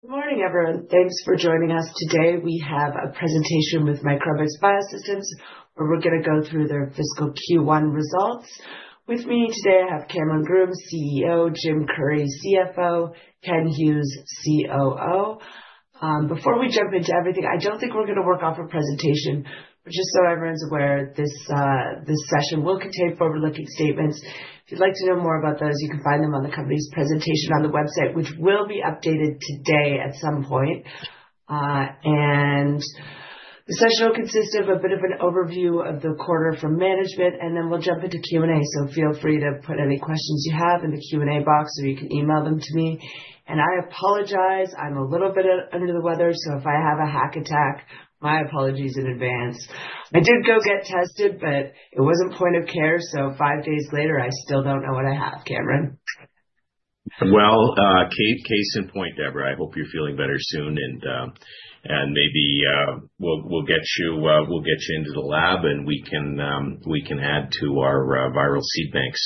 Good morning, everyone. Thanks for joining us. Today we have a presentation with Microbix Biosystems, where we're going to go through their fiscal Q1 results. With me today, I have Cameron Groome, CEO; Jim Currie, CFO; Ken Hughes, COO. Before we jump into everything, I don't think we're going to work off a presentation, but just so everyone's aware, this session will contain forward-looking statements. If you'd like to know more about those, you can find them on the company's presentation on the website, which will be updated today at some point. The session will consist of a bit of an overview of the quarter from management, and then we'll jump into Q&A. Feel free to put any questions you have in the Q&A box, or you can email them to me. I apologize, I'm a little bit under the weather, so if I have a hack attack, my apologies in advance. I did go get tested, but it wasn't point of care, so five days later, I still don't know what I have, Cameron. Well, case in point, Deborah, I hope you're feeling better soon, and maybe we'll get you into the lab, and we can add to our viral seed banks.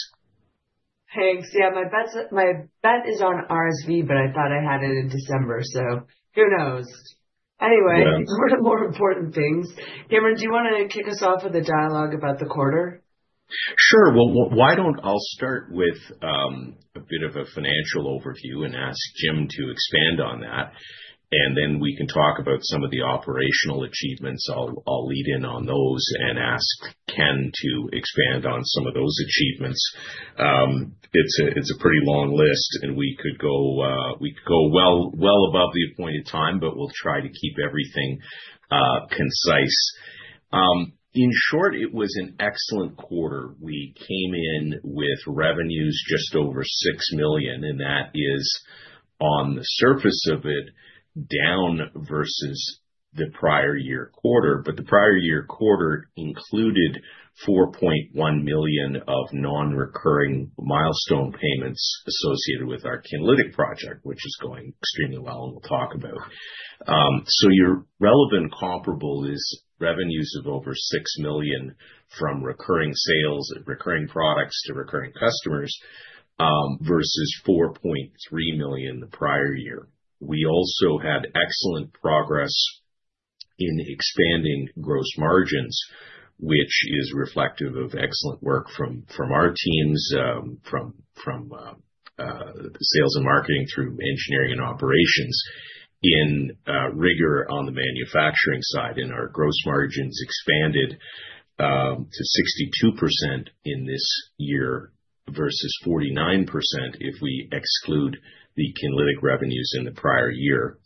Thanks. Yeah, my bet is on RSV, but I thought I had it in December, so who knows? Anyway, more important things. Cameron, do you want to kick us off with a dialogue about the quarter? Sure. Why don't I start with a bit of a financial overview and ask Jim to expand on that, and then we can talk about some of the operational achievements. I'll lead in on those and ask Ken to expand on some of those achievements. It's a pretty long list, and we could go well above the appointed time, but we'll try to keep everything concise. In short, it was an excellent quarter. We came in with revenues just over 6 million, and that is, on the surface of it, down versus the prior year quarter. The prior year quarter included 4.1 million of non-recurring milestone payments associated with our Kinlytic project, which is going extremely well, and we'll talk about. Your relevant comparable is revenues of over 6 million from recurring sales, recurring products to recurring customers, versus 4.3 million the prior year. We also had excellent progress in expanding gross margins, which is reflective of excellent work from our teams, from sales and marketing through engineering and operations, in rigor on the manufacturing side, and our gross margins expanded to 62% in this year versus 49% if we exclude the Kinlytic revenues in the prior year.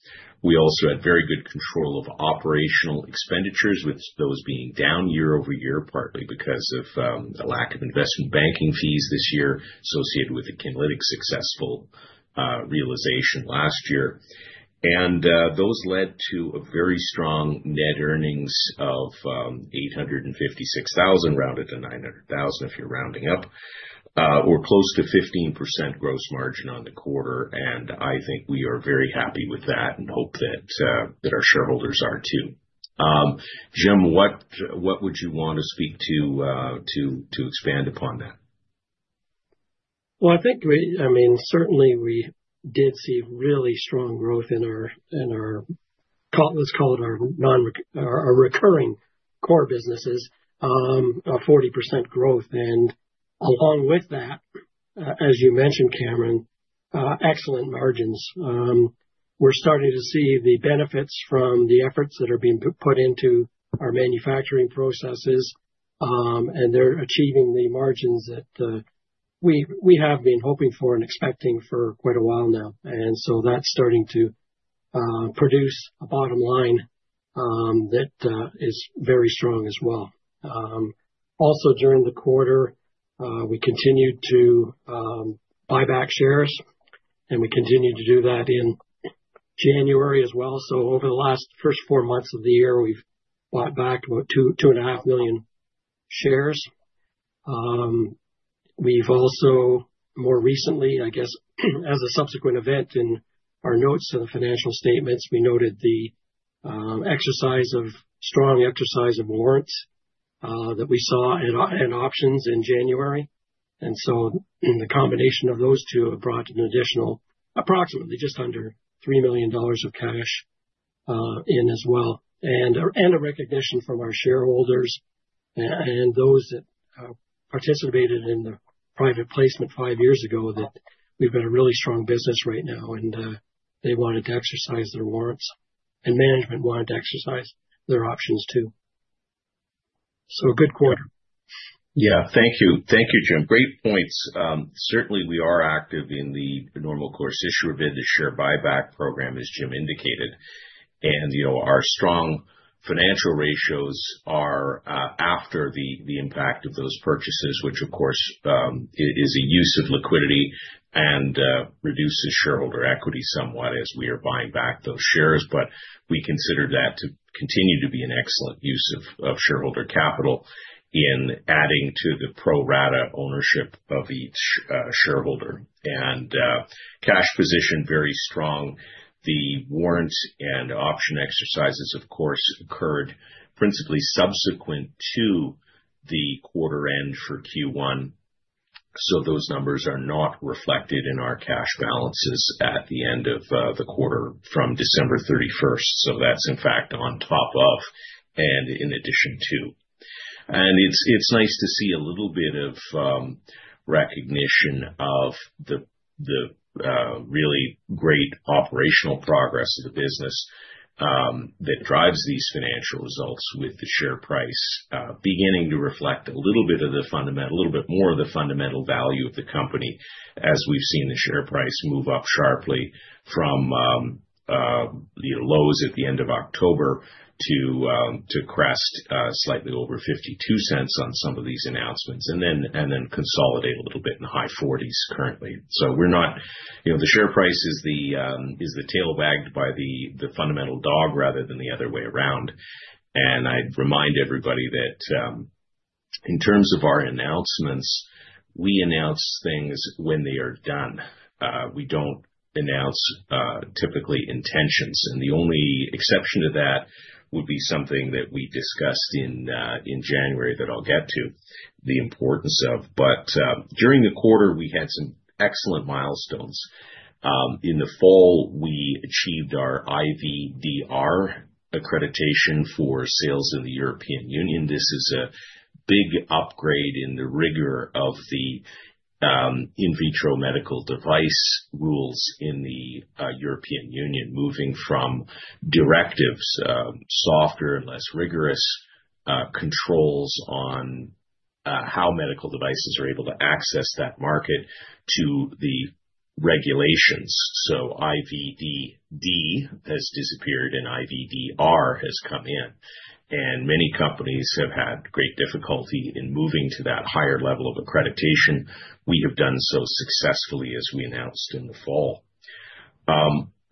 We also had very good control of operational expenditures, with those being down year-over-year, partly because of a lack of investment banking fees this year associated with the Kinlytic successful realization last year. Those led to a very strong net earnings of 856,000, rounded to 900,000 if you're rounding up, or close to 15% gross margin on the quarter. I think we are very happy with that and hope that our shareholders are too. Jim, what would you want to speak to to expand upon that? Well I think, I mean, certainly we did see really strong growth in our, let's call it our recurring core businesses, a 40% growth. Along with that, as you mentioned, Cameron, excellent margins. We're starting to see the benefits from the efforts that are being put into our manufacturing processes, and they're achieving the margins that we have been hoping for and expecting for quite a while now. That is starting to produce a bottom line that is very strong as well. Also, during the quarter, we continued to buy back shares, and we continued to do that in January as well. Over the last first four months of the year, we've bought back about 2.5 million shares. We've also, more recently, I guess, as a subsequent event in our notes to the financial statements, we noted the strong exercise of warrants that we saw in options in January. So, the combination of those two have brought an additional, approximately just under 3 million dollars of cash in as well, and a recognition from our shareholders and those that participated in the private placement five years ago that we've got a really strong business right now, and they wanted to exercise their warrants, and management wanted to exercise their options too. So, a good quarter. Yeah, thank you. Thank you, Jim. Great points. Certainly, we are active in the normal course issue of the share buyback program, as Jim indicated. Our strong financial ratios are after the impact of those purchases, which, of course, is a use of liquidity and reduces shareholder equity somewhat as we are buying back those shares. We consider that to continue to be an excellent use of shareholder capital in adding to the pro-rata ownership of each shareholder. Cash position very strong. The warrants and option exercises, of course, occurred principally subsequent to the quarter end for Q1. Those numbers are not reflected in our cash balances at the end of the quarter from December 31, 2023. That is, in fact, on top of and in addition to. It's nice to see a little bit of recognition of the really great operational progress of the business that drives these financial results, with the share price beginning to reflect a little bit more of the fundamental value of the company as we've seen the share price move up sharply from lows at the end of October to crest slightly over 0.52 on some of these announcements, and then consolidate a little bit in the high CAD 0.40's currently. The share price is tail-wagged by the fundamental dog rather than the other way around. I'd remind everybody that in terms of our announcements, we announce things when they are done. We don't announce typically intentions. The only exception to that would be something that we discussed in January that I'll get to, the importance of. During the quarter, we had some excellent milestones. In the fall, we achieved our IVDR accreditation for sales in the European Union. This is a big upgrade in the rigor of the in vitro medical device rules in the European Union, moving from directives, softer and less rigorous controls on how medical devices are able to access that market to the regulations. IVDD has disappeared, and IVDR has come in. Many companies have had great difficulty in moving to that higher level of accreditation. We have done so successfully as we announced in the fall.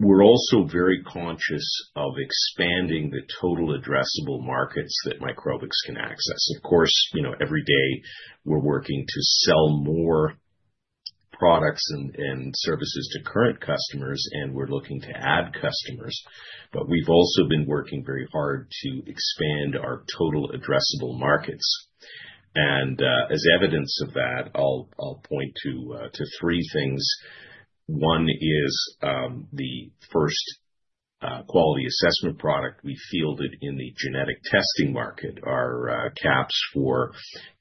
We are also very conscious of expanding the total addressable markets that Microbix can access. Of course, every day we are working to sell more products and services to current customers, and we are looking to add customers. We have also been working very hard to expand our total addressable markets. As evidence of that, I'll point to three things. One is the first quality assessment product we fielded in the genetic testing market, our QAPs for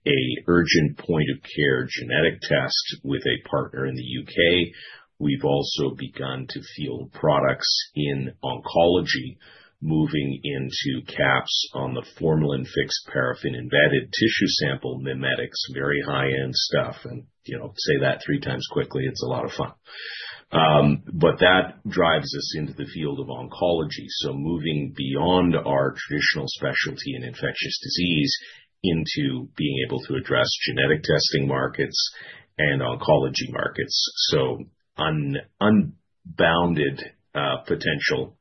an urgent point of care genetic test with a partner in the U.K. We have also begun to field products in oncology, moving into QAPs on the formalin-fixed paraffin-embedded tissue sample mimetics, very high-end stuff. Say that three times quickly, it's a lot of fun. That drives us into the field of oncology. Moving beyond our traditional specialty in infectious disease into being able to address genetic testing markets and oncology markets. Unbounded potential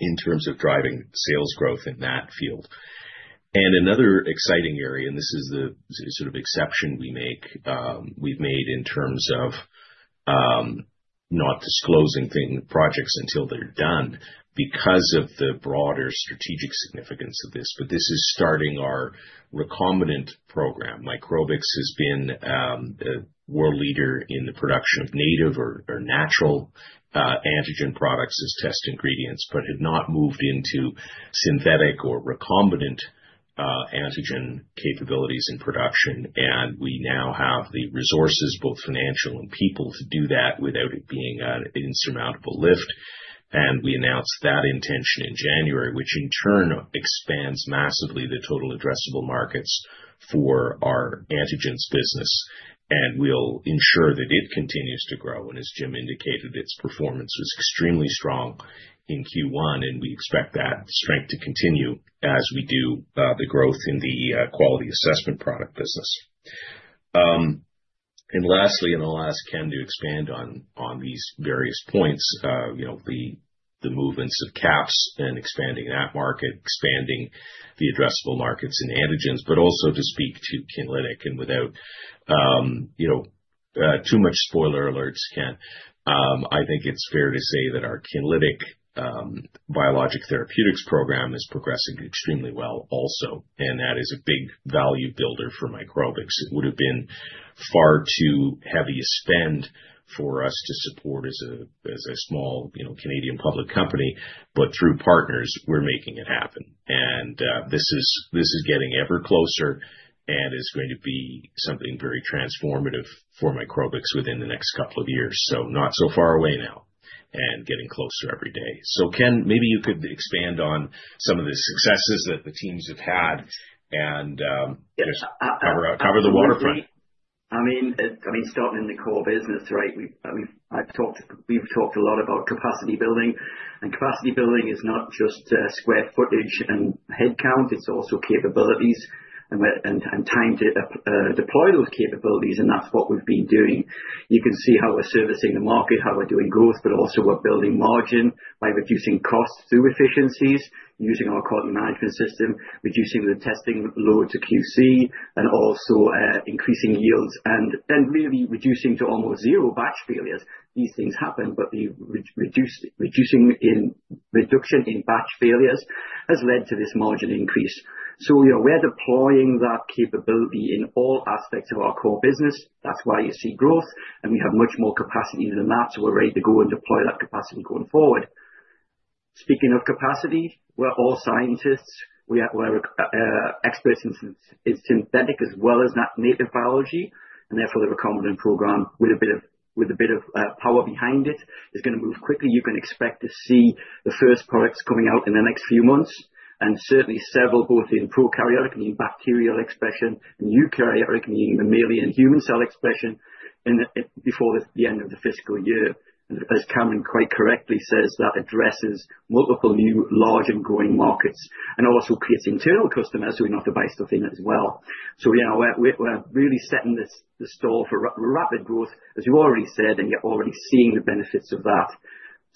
in terms of driving sales growth in that field. Another exciting area, and this is the sort of exception we have made in terms of not disclosing projects until they are done because of the broader strategic significance of this. This is starting our recombinant program. Microbix has been a world leader in the production of native or natural antigen products as test ingredients, but had not moved into synthetic or recombinant antigen capabilities in production. We now have the resources, both financial and people, to do that without it being an insurmountable lift. We announced that intention in January, which in turn expands massively the total addressable markets for our antigens business. We will ensure that it continues to grow. As Jim indicated, its performance was extremely strong in Q1, and we expect that strength to continue as we do the growth in the quality assessment product business. Lastly, and I'll ask Ken to expand on these various points, the movements of QAPs and expanding that market, expanding the addressable markets in antigens, but also to speak to Kinlytic. Without too much spoiler alerts, Ken, I think it's fair to say that our Kinlytic Biologic Therapeutics program is progressing extremely well also, and that is a big value builder for Microbix. It would have been far too heavy a spend for us to support as a small Canadian public company, but through partners, we're making it happen. This is getting ever closer and is going to be something very transformative for Microbix within the next couple of years. Not so far away now and getting closer every day. Ken, maybe you could expand on some of the successes that the teams have had and just cover the waterfront. I mean, starting in the core business, right? We've talked a lot about capacity building. Capacity building is not just square footage and headcount, it's also capabilities and time to deploy those capabilities, and that's what we've been doing. You can see how we're servicing the market, how we're doing growth, but also we're building margin by reducing costs through efficiencies, using our quality management system, reducing the testing load to QC, and also increasing yields, and then really reducing to almost zero batch failures. These things happen, but the reduction in batch failures has led to this margin increase. We're deploying that capability in all aspects of our core business. That's why you see growth, and we have much more capacity than that, so we're ready to go and deploy that capacity going forward. Speaking of capacity, we're all scientists. We're experts in synthetic as well as native biology, and therefore the recombinant program with a bit of power behind it is going to move quickly. You can expect to see the first products coming out in the next few months, and certainly several, both in prokaryotic in bacterial expression, and eukaryotic meaning mammalian human cell expression before the end of the fiscal year. As Cameron, quite correctly says, that addresses multiple new large and growing markets and also creates internal customers who are not the best of them as well. We are really setting the stall for rapid growth, as you already said, and you're already seeing the benefits of that.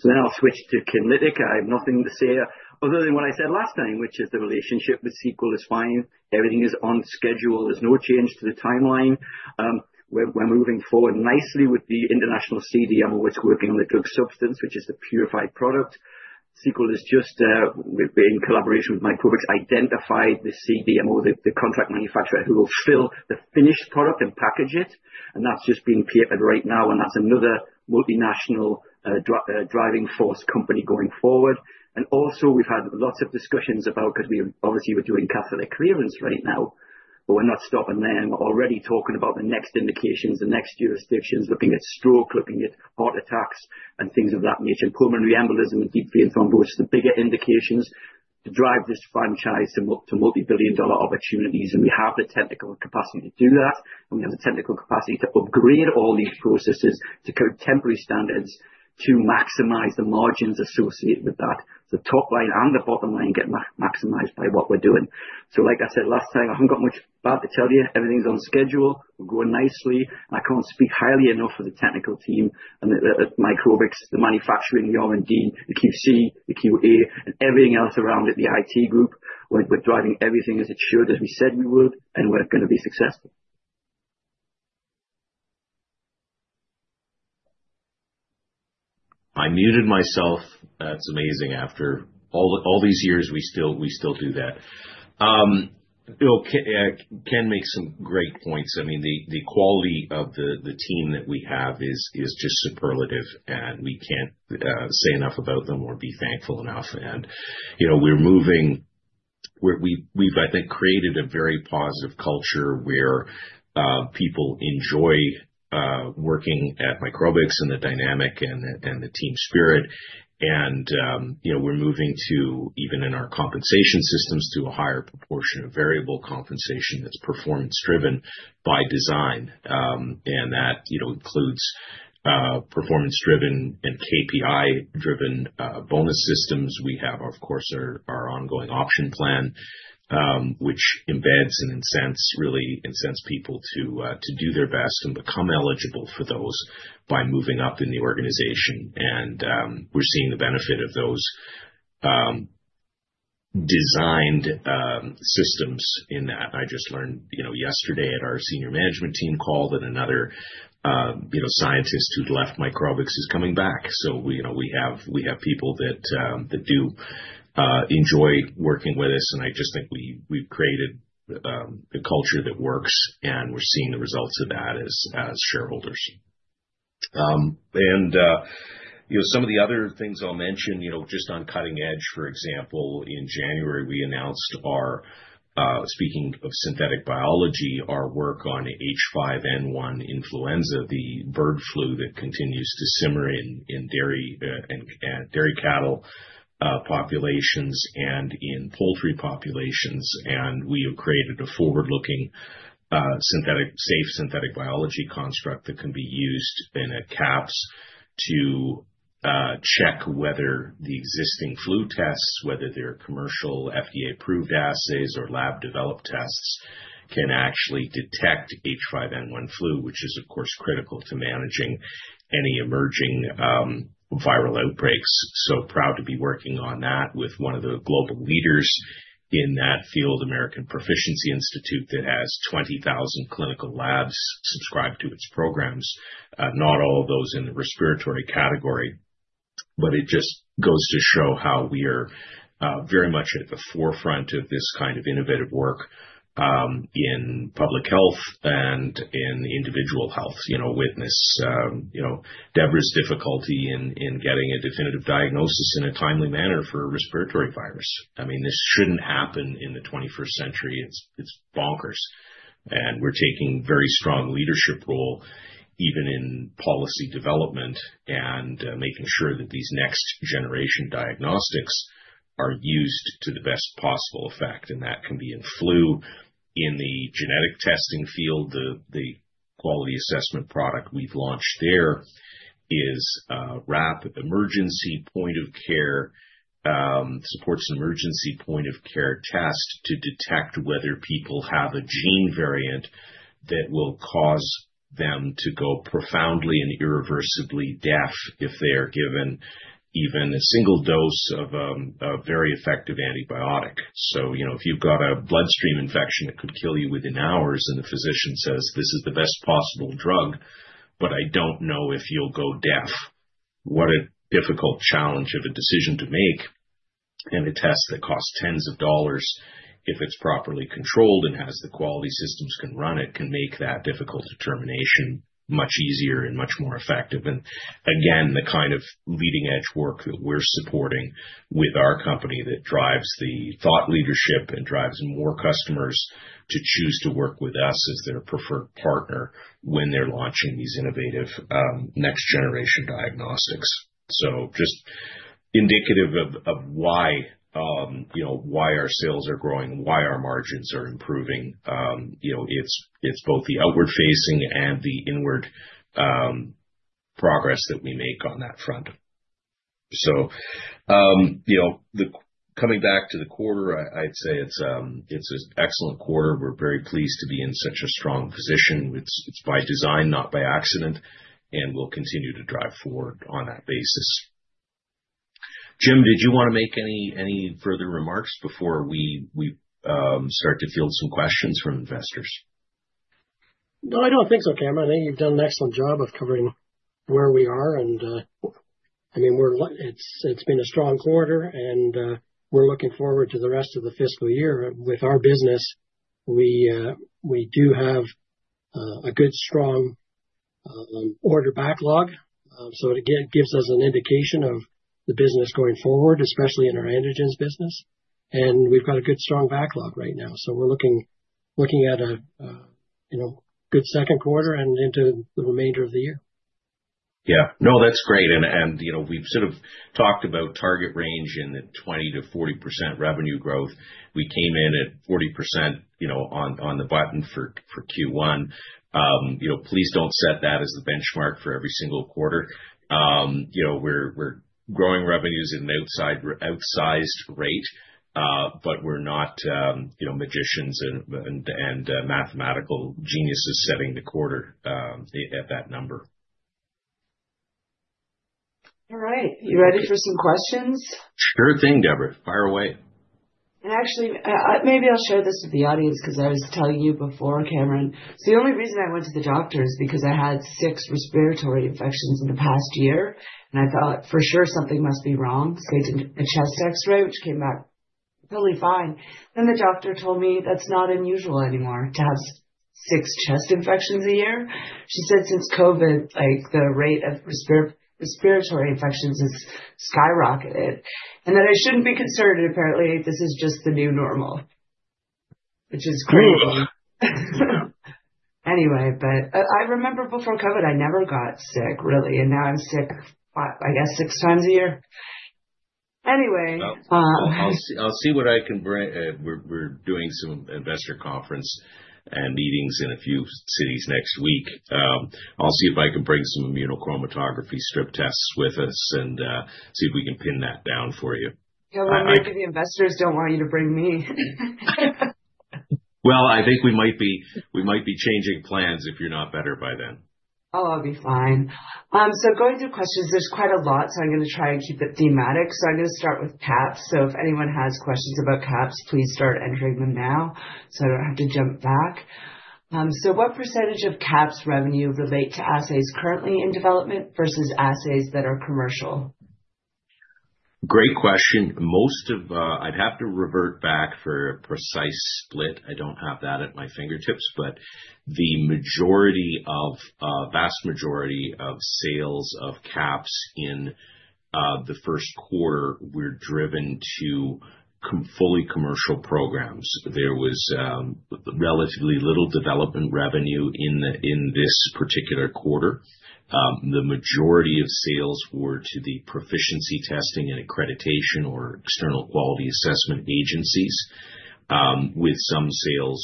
I'll switch to Kinlytic. I have nothing to say other than what I said last time, which is the relationship with Seqirus is fine. Everything is on schedule. There's no change to the timeline. We're moving forward nicely with the international CDMO, which is working on the drug substance, which is the purified product. Seqirus has just, in collaboration with Microbix, identified the CDMO, the contract manufacturer who will fill the finished product and package it. That's just being papered right now, and that's another multinational driving force company going forward. We have had lots of discussions about, because we obviously were doing catheter clearance right now, but we're not stopping there. We're already talking about the next indications, the next jurisdictions, looking at stroke, looking at heart attacks and things of that nature, pulmonary embolism and deep vein thrombosis, the bigger indications to drive this franchise to multi-billion dollar opportunities. We have the technical capacity to do that, and we have the technical capacity to upgrade all these processes to contemporary standards to maximize the margins associated with that. The top line and the bottom line get maximized by what we're doing. Like I said last time, I haven't got much bad to tell you. Everything's on schedule. We're going nicely. I can't speak highly enough for the technical team and Microbix, the manufacturing, the R&D, the QC, the QA, and everything else around it, the IT group. We're driving everything as it should, as we said we would, and we're going to be successful. I muted myself. That's amazing. After all these years, we still do that. Ken made some great points. I mean, the quality of the team that we have is just superlative, and we can't say enough about them or be thankful enough. We're moving; we've, I think, created a very positive culture where people enjoy working at Microbix and the dynamic and the team spirit. We're moving to, even in our compensation systems, a higher proportion of variable compensation that's performance-driven by design. That includes performance-driven and KPI-driven bonus systems. We have, of course, our ongoing option plan, which embeds and really incents people to do their best and become eligible for those by moving up in the organization. We're seeing the benefit of those designed systems in that. I just learned yesterday at our senior management team call that another scientist who'd left Microbix is coming back. We have people that do enjoy working with us, and I just think we've created a culture that works, and we're seeing the results of that as shareholders. Some of the other things I'll mention, just on cutting edge, for example, in January, we announced, speaking of synthetic biology, our work on H5N1 influenza, the bird flu that continues to simmer in dairy cattle populations and in poultry populations. We have created a forward-looking safe synthetic biology construct that can be used in a QAPs to check whether the existing flu tests, whether they're commercial FDA-approved assays or lab-developed tests, can actually detect H5N1 flu, which is, of course, critical to managing any emerging viral outbreaks. Proud to be working on that with one of the global leaders in that field, American Proficiency Institute, that has 20,000 clinical labs subscribed to its programs. Not all of those in the respiratory category, but it just goes to show how we are very much at the forefront of this kind of innovative work in public health and in individual health. You know, witness Deborah's difficulty in getting a definitive diagnosis in a timely manner for a respiratory virus. I mean, this shouldn't happen in the 21st century. It's bonkers. We are taking a very strong leadership role even in policy development and making sure that these next-generation diagnostics are used to the best possible effect. That can be in flu. In the genetic testing field, the quality assessment product we've launched there is a rapid emergency point of care, supports an emergency point of care test to detect whether people have a gene variant that will cause them to go profoundly and irreversibly deaf if they are given even a single dose of a very effective antibiotic. If you've got a bloodstream infection that could kill you within hours and the physician says, "This is the best possible drug, but I don't know if you'll go deaf," what a difficult challenge of a decision to make. A test that costs tens of dollars, if it's properly controlled and has the quality systems can run it, can make that difficult determination much easier and much more effective. Again, the kind of leading-edge work that we're supporting with our company drives the thought leadership and drives more customers to choose to work with us as their preferred partner when they're launching these innovative next-generation diagnostics. Just indicative of why our sales are growing, why our margins are improving. It's both the outward-facing and the inward progress that we make on that front. Coming back to the quarter, I'd say it's an excellent quarter. We're very pleased to be in such a strong position. It's by design, not by accident, and we'll continue to drive forward on that basis. Jim, did you want to make any further remarks before we start to field some questions from investors? No, I don't think so, Cameron. I think you've done an excellent job of covering where we are. I mean, it's been a strong quarter, and we're looking forward to the rest of the fiscal year. With our business, we do have a good, strong order backlog. It gives us an indication of the business going forward, especially in our antigens business. We've got a good, strong backlog right now. We're looking at a good second quarter and into the remainder of the year. Yeah. No, that's great. We've sort of talked about target range in the 20%-40% revenue growth. We came in at 40% on the button for Q1. Please don't set that as the benchmark for every single quarter. We're growing revenues at an outsized rate, but we're not magicians and mathematical geniuses setting the quarter at that number. All right. You ready for some questions? Sure thing, Deborah. Fire away. Actually, maybe I'll share this with the audience because I was telling you before, Cameron. The only reason I went to the doctor is because I had six respiratory infections in the past year, and I thought, for sure, something must be wrong. I did a chest X-ray, which came back totally fine. The doctor told me that's not unusual anymore to have six chest infections a year. She said since COVID, the rate of respiratory infections has skyrocketed and that I shouldn't be concerned. Apparently, this is just the new normal, which is crazy. Anyway, I remember before COVID, I never got sick, really. Now I'm sick, I guess, six times a year. Anyway. I'll see what I can bring. We're doing some investor conference and meetings in a few cities next week. I'll see if I can bring some immunochromatography strip tests with us and see if we can pin that down for you. Yeah, we're glad the investors don't want you to bring me. I think we might be changing plans if you're not better by then. Oh, I'll be fine. So, going through questions, there's quite a lot, so I'm going to try and keep it thematic. I'm going to start with QAPs. If anyone has questions about QAPs, please start entering them now so I don't have to jump back. What percentage of QAPs revenue relate to assays currently in development versus assays that are commercial? Great question. I'd have to revert back for a precise split. I don't have that at my fingertips, but the vast majority of sales of QAPs in the first quarter were driven to fully commercial programs. There was relatively little development revenue in this particular quarter. The majority of sales were to the proficiency testing and accreditation or external quality assessment agencies, with some sales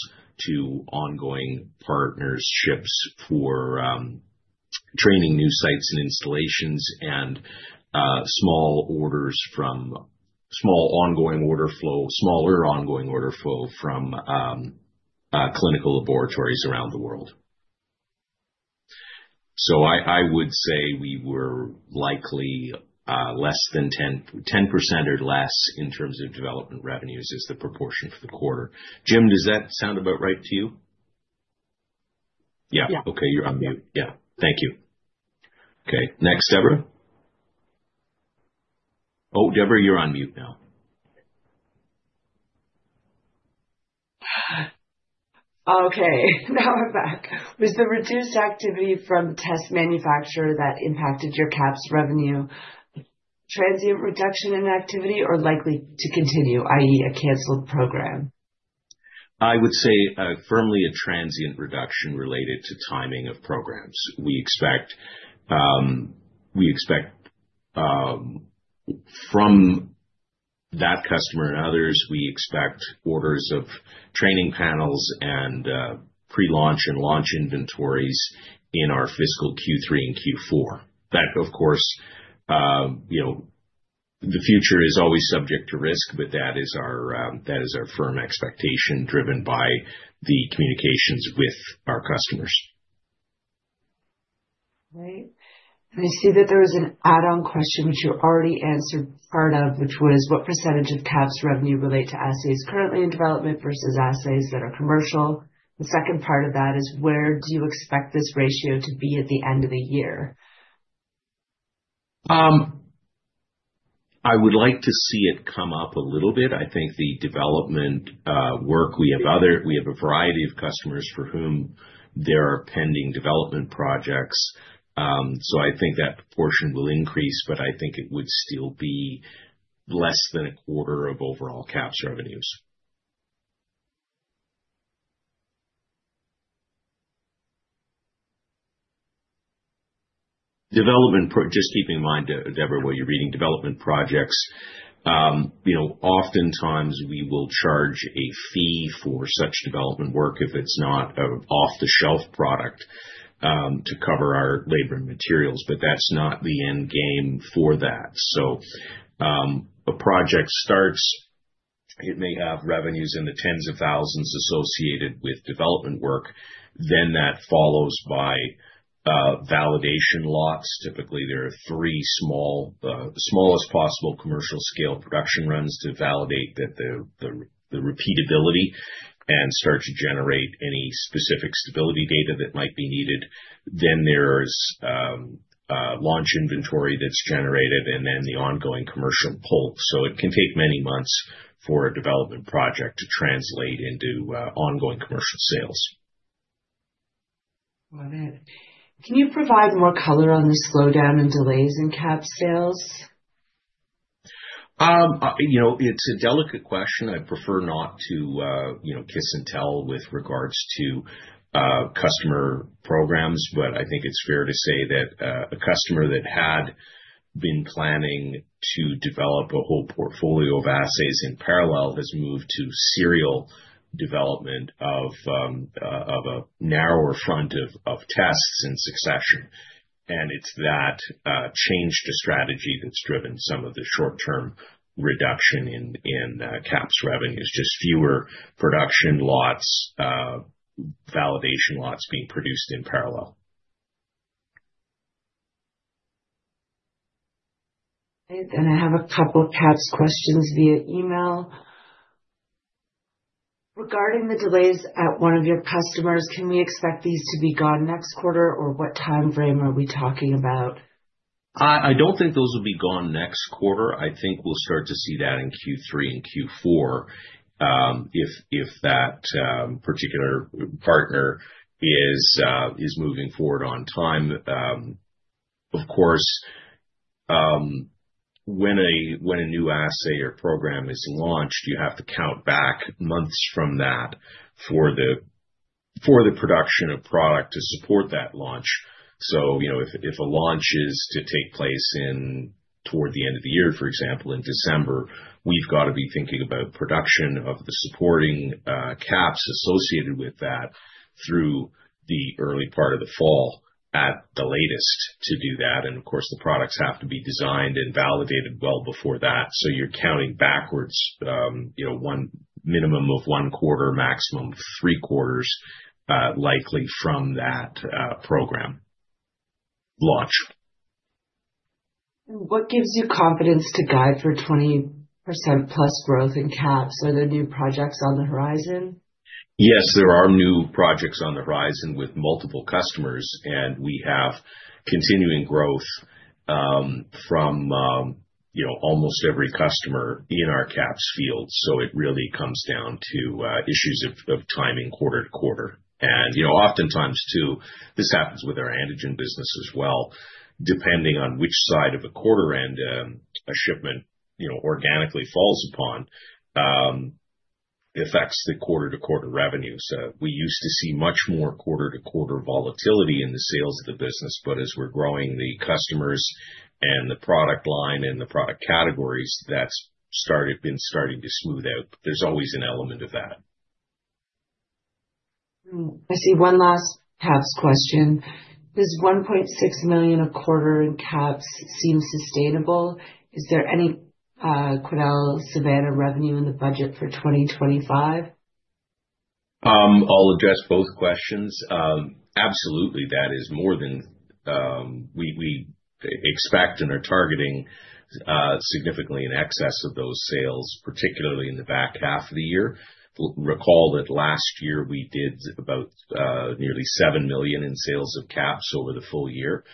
to ongoing partnerships for training new sites and installations and small ongoing order flow from clinical laboratories around the world. I would say we were likely less than 10% or less in terms of development revenues as the proportion for the quarter. Jim, does that sound about right to you? Yeah. Okay. You're on mute. Yeah. Thank you. Okay. Next, Deborah. Oh, Deborah, you're on mute now. Okay. Now I'm back. Was the reduced activity from test manufacturer that impacted your QAPs revenue transient reduction in activity or likely to continue, i.e., a canceled program? I would say firmly a transient reduction related to timing of programs. We expect from that customer and others, we expect orders of training panels and pre-launch and launch inventories in our fiscal Q3 and Q4. That, of course, the future is always subject to risk, but that is our firm expectation driven by the communications with our customers. Right. I see that there was an add-on question, which you already answered part of, which was, what percentage of QAPs revenue relate to assays currently in development versus assays that are commercial? The second part of that is, where do you expect this ratio to be at the end of the year? I would like to see it come up a little bit. I think the development work, we have a variety of customers for whom there are pending development projects. I think that proportion will increase, but I think it would still be less than a quarter of overall QAPs revenues. Just keeping in mind, Deborah, what you're reading, development projects, oftentimes we will charge a fee for such development work if it's not an off-the-shelf product to cover our labor and materials, but that's not the end game for that. A project starts, it may have revenues in the tens of thousands associated with development work. That follows by validation lots. Typically, there are three smallest possible commercial-scale production runs to validate the repeatability and start to generate any specific stability data that might be needed. There is launch inventory that is generated, and then the ongoing commercial pull. It can take many months for a development project to translate into ongoing commercial sales. Got it. Can you provide more color on the slowdown and delays in QAPs sales? It's a delicate question. I prefer not to kiss and tell with regards to customer programs, but I think it's fair to say that a customer that had been planning to develop a whole portfolio of assays in parallel has moved to serial development of a narrower front of tests in succession. It's that change to strategy that's driven some of the short-term reduction in QAPs revenues, just fewer production lots, validation lots being produced in parallel. I have a couple of QAPs questions via email. Regarding the delays at one of your customers, can we expect these to be gone next quarter, or what time frame are we talking about? I don't think those will be gone next quarter. I think we'll start to see that in Q3 and Q4 if that particular partner is moving forward on time. Of course, when a new assay or program is launched, you have to count back months from that for the production of product to support that launch. If a launch is to take place toward the end of the year, for example, in December, we've got to be thinking about production of the supporting QAPs associated with that through the early part of the fall at the latest to do that. The products have to be designed and validated well before that. You're counting backwards minimum of one quarter, maximum three quarters, likely from that program launch. What gives you confidence to guide for 20% plus growth in QAPs? Are there new projects on the horizon? Yes, there are new projects on the horizon with multiple customers, and we have continuing growth from almost every customer in our QAPs field. It really comes down to issues of timing quarter to quarter. Oftentimes, too, this happens with our antigen business as well. Depending on which side of a quarter end a shipment organically falls upon, it affects the quarter-to-quarter revenue. We used to see much more quarter-to-quarter volatility in the sales of the business, but as we're growing the customers and the product line and the product categories, that's been starting to smooth out. There's always an element of that. I see one last QAPs question. Does 1.6 million a quarter in QAPs seem sustainable? Is there any Quidel Savanna revenue in the budget for 2025? I'll address both questions. Absolutely. That is more than we expect and are targeting significantly in excess of those sales, particularly in the back half of the year. Recall that last year, we did about nearly 7 million in sales of QAPs over the full year.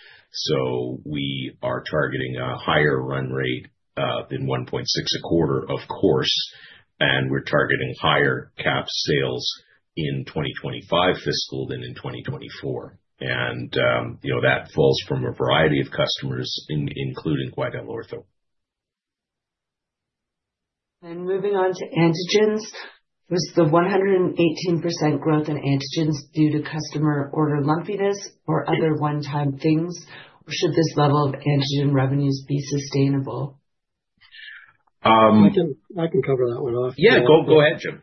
We are targeting a higher run rate than 1.6 million a quarter, of course, and we're targeting higher QAPs sales in 2025 fiscal than in 2024. That falls from a variety of customers, including QuidelOrtho. Moving on to antigens, was the 118% growth in antigens due to customer order lumpiness or other one-time things, or should this level of antigen revenues be sustainable? I can cover that one off. Yeah. Go ahead, Jim.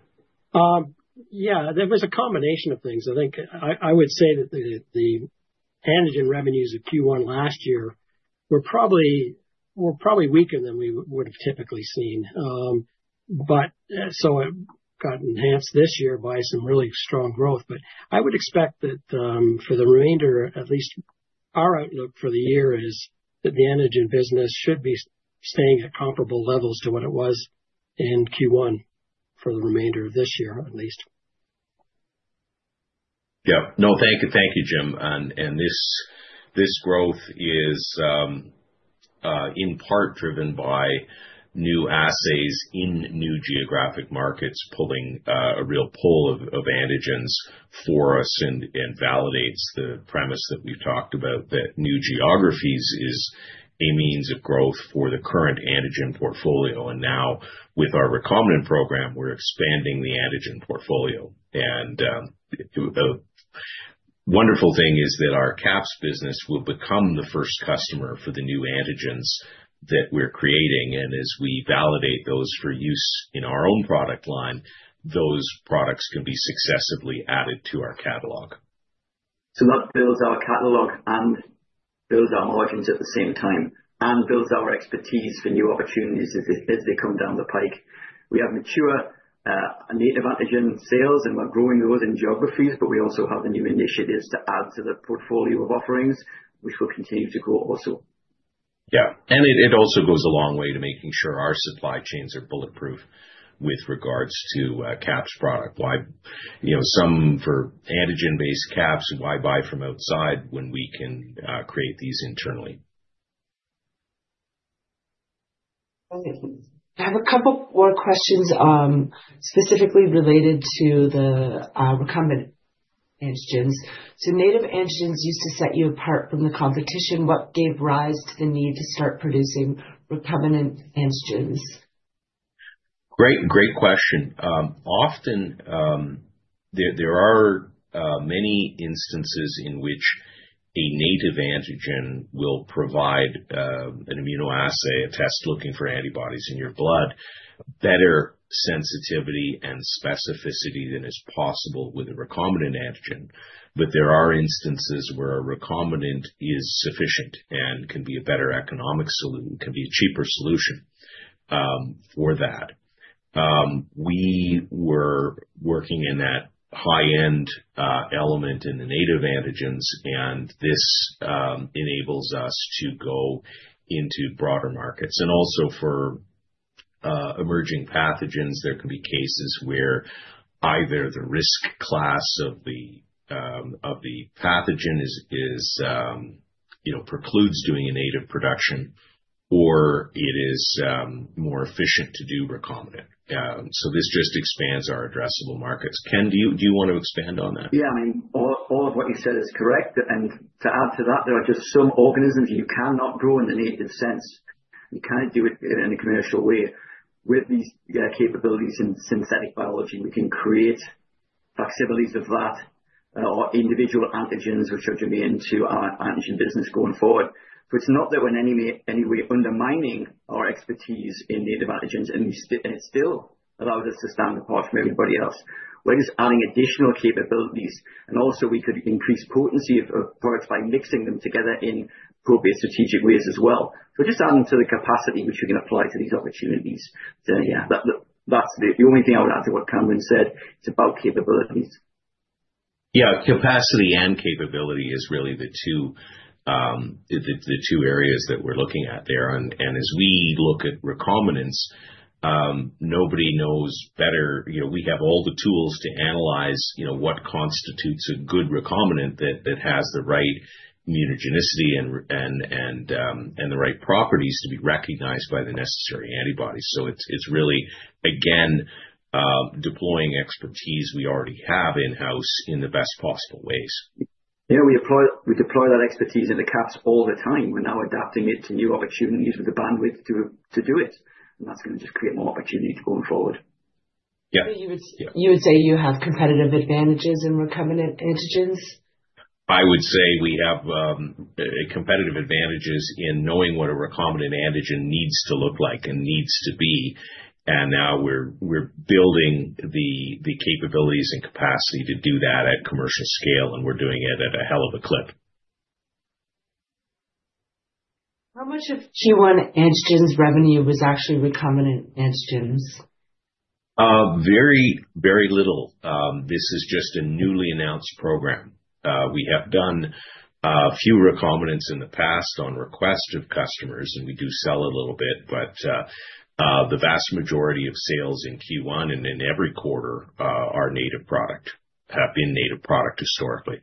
Yeah. There was a combination of things. I think I would say that the antigen revenues of Q1 last year were probably weaker than we would have typically seen. It got enhanced this year by some really strong growth. I would expect that for the remainder, at least our outlook for the year is that the antigen business should be staying at comparable levels to what it was in Q1 for the remainder of this year, at least. Yeah. No, thank you. Thank you, Jim. This growth is in part driven by new assays in new geographic markets pulling a real pull of antigens for us and validates the premise that we've talked about that new geographies is a means of growth for the current antigen portfolio. Now, with our recombinant program, we're expanding the antigen portfolio. A wonderful thing is that our QAPs business will become the first customer for the new antigens that we're creating. As we validate those for use in our own product line, those products can be successively added to our catalog. To not build our catalog and build our margins at the same time and build our expertise for new opportunities as they come down the pike. We have mature native antigen sales, and we're growing those in geographies, but we also have the new initiatives to add to the portfolio of offerings, which will continue to grow also. Yeah. It also goes a long way to making sure our supply chains are bulletproof with regards to QAPs product. Why, for antigen-based QAPs, why buy from outside when we can create these internally? I have a couple more questions specifically related to the recombinant antigens. Native antigens used to set you apart from the competition. What gave rise to the need to start producing recombinant antigens? Great question. Often, there are many instances in which a native antigen will provide an immunoassay, a test looking for antibodies in your blood, better sensitivity and specificity than is possible with a recombinant antigen. There are instances where a recombinant is sufficient and can be a better economic solution, can be a cheaper solution for that. We were working in that high-end element in the native antigens, and this enables us to go into broader markets. Also for emerging pathogens, there can be cases where either the risk class of the pathogen precludes doing a native production, or it is more efficient to do recombinant. This just expands our addressable markets. Ken, do you want to expand on that? Yeah. I mean, all of what you said is correct. To add to that, there are just some organisms you cannot grow in the native sense. You can't do it in a commercial way. With these capabilities in synthetic biology, we can create flexibilities of that or individual antigens which are germane to our antigen business going forward. It's not that we're in any way undermining our expertise in native antigens, and it still allows us to stand apart from everybody else. We're just adding additional capabilities. Also, we could increase potency of products by mixing them together in appropriate strategic ways as well. Just adding to the capacity which we can apply to these opportunities. Yeah, that's the only thing I would add to what Cameron said. It's about capabilities. Yeah. Capacity and capability is really the two areas that we're looking at there. As we look at recombinants, nobody knows better. We have all the tools to analyze what constitutes a good recombinant that has the right immunogenicity and the right properties to be recognized by the necessary antibodies. It is really, again, deploying expertise we already have in-house in the best possible ways. Yeah. We deploy that expertise in the QAPs all the time. We are now adapting it to new opportunities with the bandwidth to do it. That is going to just create more opportunity going forward. Yeah. You would say you have competitive advantages in recombinant antigens? I would say we have competitive advantages in knowing what a recombinant antigen needs to look like and needs to be. Now we're building the capabilities and capacity to do that at commercial scale, and we're doing it at a hell of a clip. How much of Q1 antigens revenue was actually recombinant antigens? Very, very little. This is just a newly announced program. We have done a few recombinants in the past on request of customers, and we do sell a little bit. The vast majority of sales in Q1 and in every quarter have been native product historically.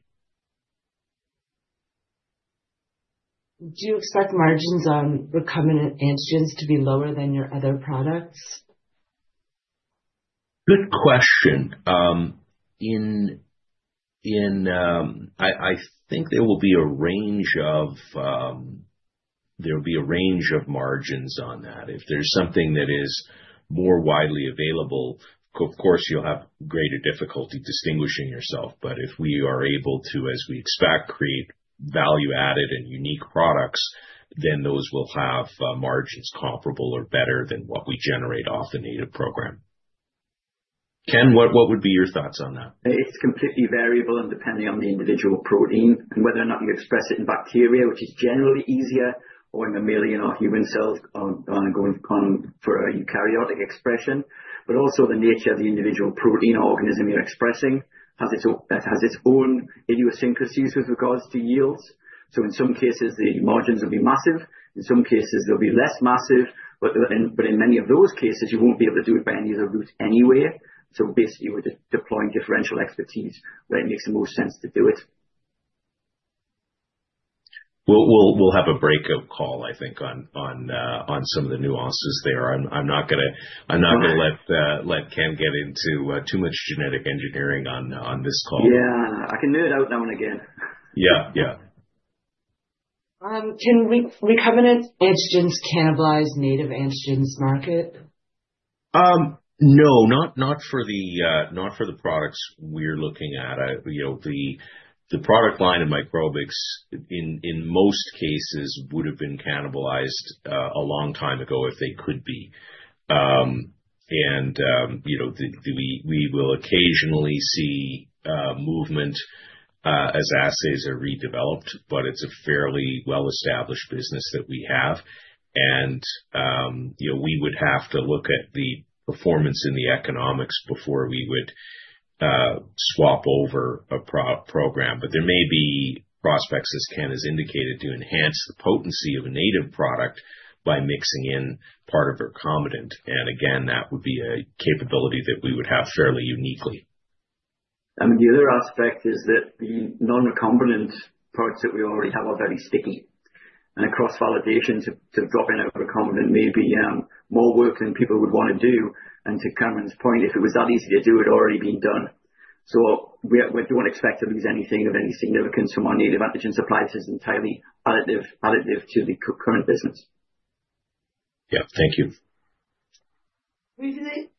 Do you expect margins on recombinant antigens to be lower than your other products? Good question. I think there will be a range of margins on that. If there is something that is more widely available, of course, you will have greater difficulty distinguishing yourself. If we are able to, as we expect, create value-added and unique products, then those will have margins comparable or better than what we generate off the native program. Ken, what would be your thoughts on that? It's completely variable and depending on the individual protein and whether or not you express it in bacteria, which is generally easier, or in a mammalian or human cells going for a eukaryotic expression. Also, the nature of the individual protein or organism you're expressing has its own idiosyncrasies with regards to yields. In some cases, the margins will be massive. In some cases, they'll be less massive. In many of those cases, you won't be able to do it by any other route anyway. Basically, you are deploying differential expertise where it makes the most sense to do it. We'll have a breakout call, I think, on some of the nuances there. I'm not going to let Ken get into too much genetic engineering on this call. Yeah. I can nerd out now and again. Yeah. Yeah. Can recombinant antigens cannibalize native antigens market? No, not for the products we're looking at. The product line in Microbix in most cases would have been cannibalized a long time ago if they could be. We will occasionally see movement as assays are redeveloped, but it's a fairly well-established business that we have. We would have to look at the performance and the economics before we would swap over a program. There may be prospects, as Ken has indicated, to enhance the potency of a native product by mixing in part of a recombinant. That would be a capability that we would have fairly uniquely. The other aspect is that the non-recombinant products that we already have are very sticky. Across validation, to drop in a recombinant may be more work than people would want to do. To Cameron's point, if it was that easy to do, it had already been done. We do not expect to lose anything of any significance from our native antigen supply; that is entirely additive to the current business. Yeah. Thank you.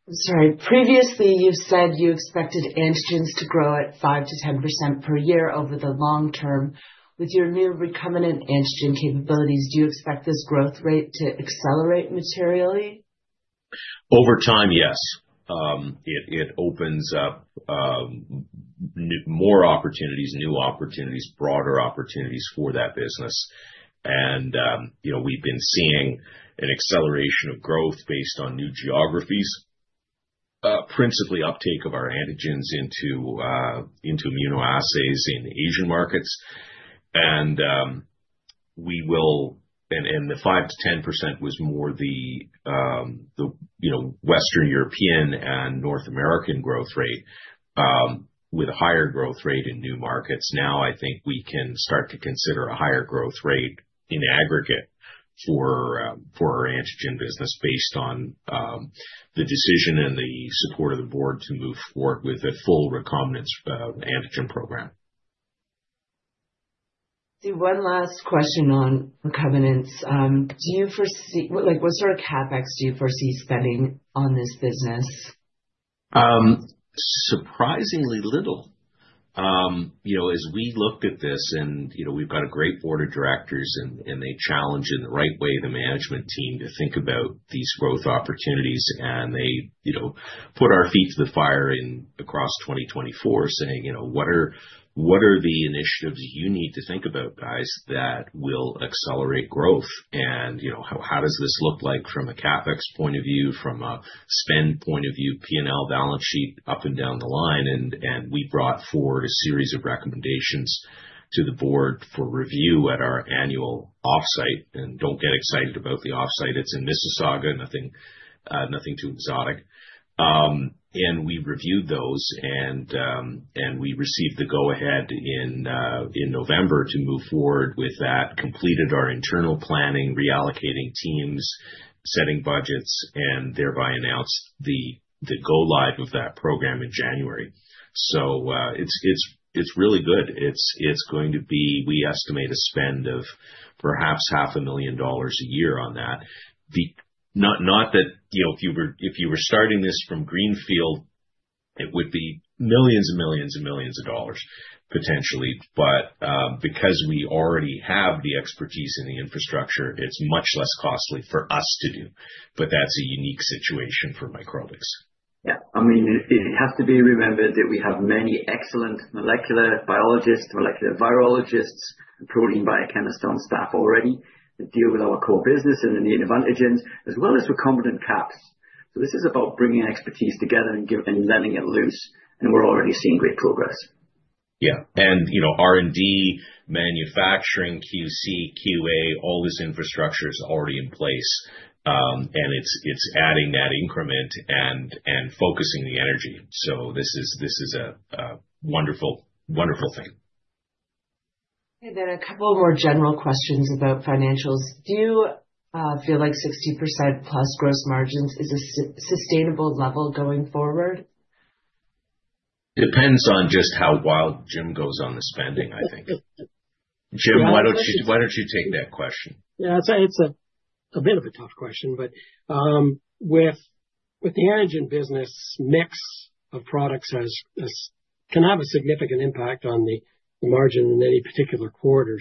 Sorry. Previously, you said you expected antigens to grow at 5%-10% per year over the long term. With your new recombinant antigen capabilities, do you expect this growth rate to accelerate materially? Over time, yes. It opens up more opportunities, new opportunities, broader opportunities for that business. We have been seeing an acceleration of growth based on new geographies, principally uptake of our antigens into immunoassays in Asian markets. The 5%-10% was more the Western European and North American growth rate with a higher growth rate in new markets. Now, I think we can start to consider a higher growth rate in aggregate for our antigen business based on the decision and the support of the board to move forward with a full recombinant antigen program. I see one last question on recombinants. What sort of CapEx do you foresee spending on this business? Surprisingly little. As we look at this, and we've got a great board of directors, and they challenge in the right way the management team to think about these growth opportunities. They put our feet to the fire across 2024, saying, "What are the initiatives you need to think about, guys, that will accelerate growth? And how does this look like from a CapEx point of view, from a spend point of view, P&L balance sheet up and down the line?" We brought forward a series of recommendations to the board for review at our annual offsite. Do not get excited about the offsite. It is in Mississauga, nothing too exotic. We reviewed those, and we received the go-ahead in November to move forward with that, completed our internal planning, reallocating teams, setting budgets, and thereby announced the go-live of that program in January. It is really good. It's going to be we estimate a spend of perhaps 500,000 dollars a year on that. Not that if you were starting this from Greenfield, it would be millions and millions and millions of dollars potentially. Because we already have the expertise and the infrastructure, it's much less costly for us to do. That's a unique situation for Microbix. Yeah. I mean, it has to be remembered that we have many excellent molecular biologists, molecular virologists, and probably even biochemists on staff already that deal with our core business and the native antigens as well as recombinant QAPs. This is about bringing expertise together and letting it loose. We're already seeing great progress. Yeah. R&D, manufacturing, QC, QA, all this infrastructure is already in place. It is adding that increment and focusing the energy. This is a wonderful thing. I had a couple more general questions about financials. Do you feel like 60% plus gross margins is a sustainable level going forward? Depends on just how wild Jim goes on the spending, I think. Jim, why don't you take that question? Yeah. It's a bit of a tough question. With the antigen business, mix of products can have a significant impact on the margin in any particular quarter.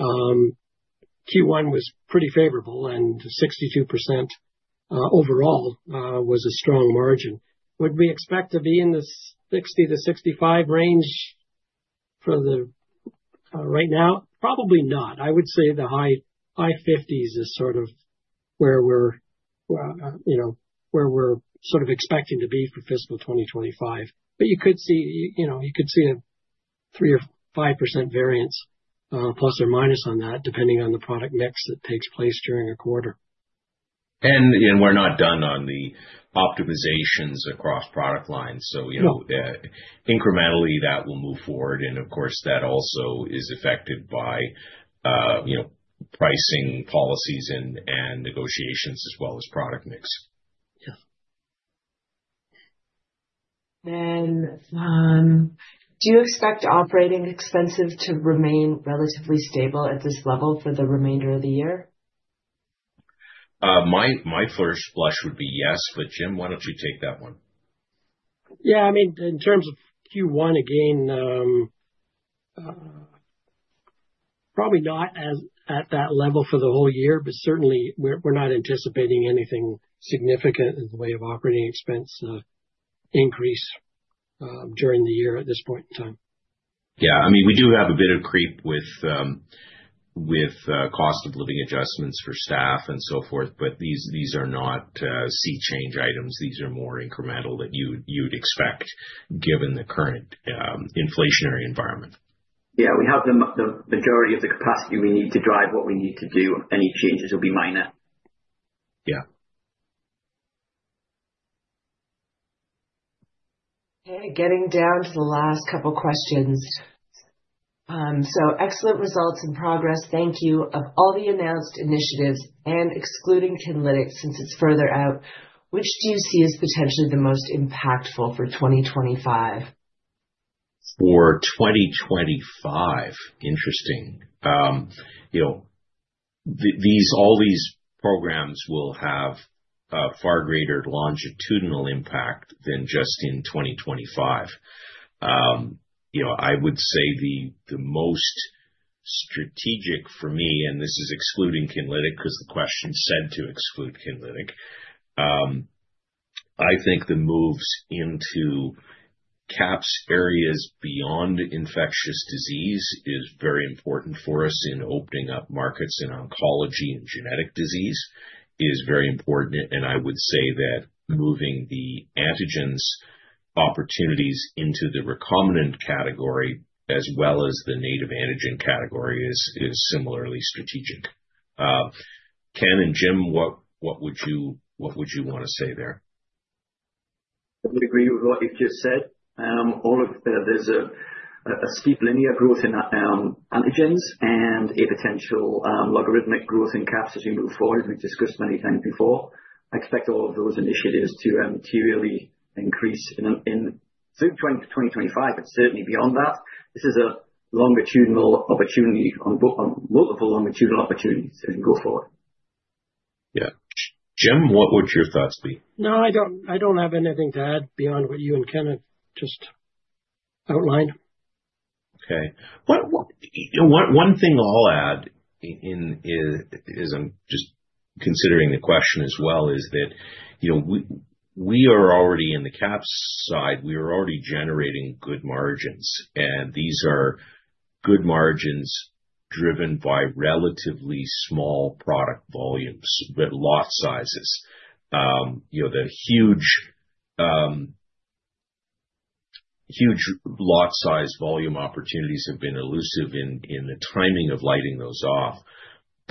Q1 was pretty favorable, and 62% overall was a strong margin. Would we expect to be in the 60%-65% range for right now? Probably not. I would say the high 50s is sort of where we're sort of expecting to be for fiscal 2025. You could see a 3%-5% variance plus or minus on that, depending on the product mix that takes place during a quarter. We're not done on the optimizations across product lines. Incrementally, that will move forward. Of course, that also is affected by pricing policies and negotiations as well as product mix. Yeah. Do you expect operating expenses to remain relatively stable at this level for the remainder of the year? My first blush would be yes. Jim, why don't you take that one? Yeah. I mean, in terms of Q1, again, probably not at that level for the whole year. Certainly, we're not anticipating anything significant in the way of operating expense increase during the year at this point in time. Yeah. I mean, we do have a bit of creep with cost of living adjustments for staff and so forth. These are not sea change items. These are more incremental that you'd expect given the current inflationary environment. Yeah. We have the majority of the capacity we need to drive what we need to do. Any changes will be minor. Yeah. Okay. Getting down to the last couple of questions. Excellent results and progress. Thank you. Of all the announced initiatives and excluding Kinlytic since it's further out, which do you see as potentially the most impactful for 2025? For 2025. Interesting. All these programs will have a far greater longitudinal impact than just in 2025. I would say the most strategic for me, and this is excluding Kinlytic because the question said to exclude Kinlytic, I think the moves into QAPs areas beyond infectious disease is very important for us in opening up markets in oncology and genetic disease is very important. I would say that moving the antigens opportunities into the recombinant category as well as the native antigen category is similarly strategic. Ken and Jim, what would you want to say there? I would agree with what you've just said. There's a steep linear growth in antigens and a potential logarithmic growth in QAPs as we move forward. We've discussed many times before. I expect all of those initiatives to materially increase through 2025, but certainly beyond that. This is a longitudinal opportunity on multiple longitudinal opportunities as we go forward. Yeah. Jim, what would your thoughts be? No, I don't have anything to add beyond what you and Ken have just outlined. Okay. One thing I'll add, as I'm just considering the question as well, is that we are already in the QAPs side. We are already generating good margins. These are good margins driven by relatively small product volumes, lot sizes. The huge lot size volume opportunities have been elusive in the timing of lighting those off.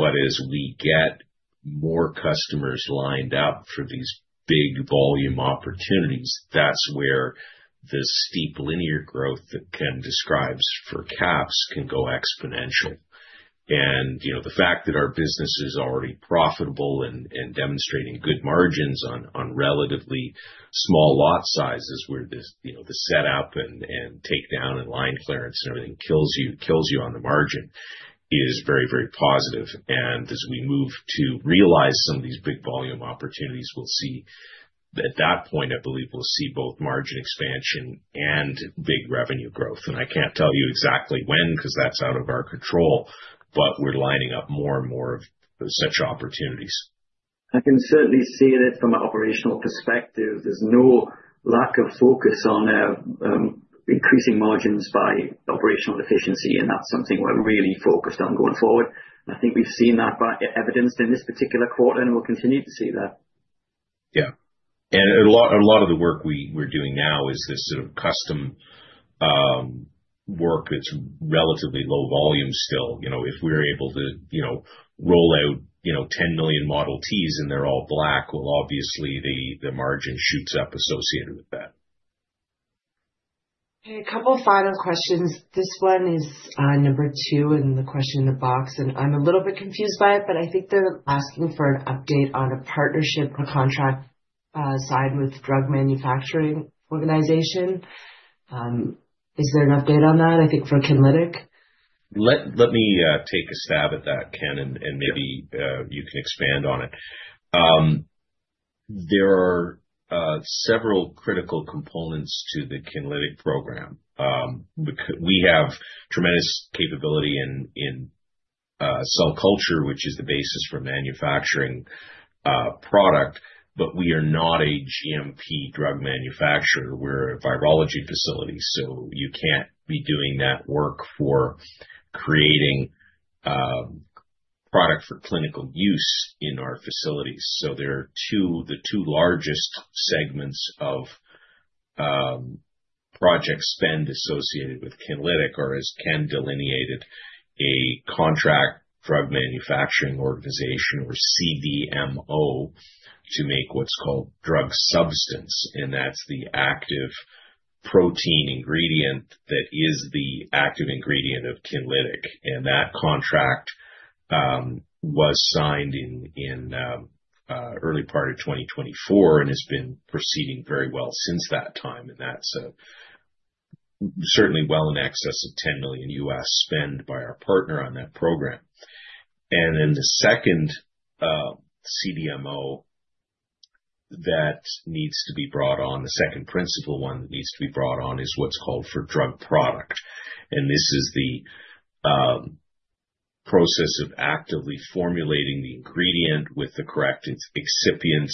As we get more customers lined up for these big volume opportunities, that's where the steep linear growth that Ken describes for QAPs can go exponential. The fact that our business is already profitable and demonstrating good margins on relatively small lot sizes where the setup and takedown and line clearance and everything kills you on the margin is very, very positive. As we move to realize some of these big volume opportunities, we'll see at that point, I believe, we'll see both margin expansion and big revenue growth. I can't tell you exactly when because that's out of our control. We are lining up more and more of such opportunities. I can certainly see that from an operational perspective. There is no lack of focus on increasing margins by operational efficiency. That is something we are really focused on going forward. I think we have seen that evidenced in this particular quarter, and we will continue to see that. Yeah. A lot of the work we're doing now is this sort of custom work. It's relatively low volume still. If we're able to roll out 10 million Model Ts, and they're all black, obviously, the margin shoots up associated with that. Okay. A couple of final questions. This one is number two in the question in the box. I'm a little bit confused by it, but I think they're asking for an update on a partnership or contract side with a drug manufacturing organization. Is there an update on that, I think, for Kinlytic? Let me take a stab at that, Ken, and maybe you can expand on it. There are several critical components to the Kinlytic program. We have tremendous capability in cell culture, which is the basis for manufacturing product. But we are not a GMP drug manufacturer. We're a virology facility. You can't be doing that work for creating product for clinical use in our facilities. The two largest segments of project spend associated with Kinlytic are, as Ken delineated, a contract drug manufacturing organization or CDMO to make what's called drug substance. That's the active protein ingredient that is the active ingredient of Kinlytic. That contract was signed in the early part of 2024 and has been proceeding very well since that time. That's certainly well in excess of $10 million spend by our partner on that program. The second CDMO that needs to be brought on, the second principal one that needs to be brought on, is what's called for drug product. This is the process of actively formulating the ingredient with the correct excipients,